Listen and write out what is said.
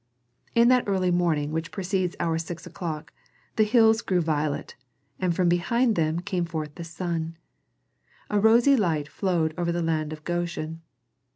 In that early morning which precedes our six o'clock, the hills grew violet, and from behind them came forth the sun. A rosy light flowed over the land of Goshen.